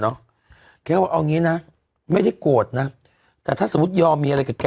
แกว่าเอางี้นะไม่ได้โกรธนะแต่ถ้าสมมุติยอมมีอะไรกับแก